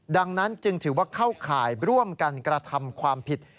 ดังนั้นจึงถือว่าเข้าข่ายร่วมกันกระทำความผิด